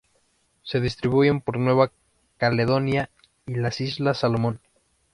Se distribuyen por Nueva Caledonia y las Islas Salomón.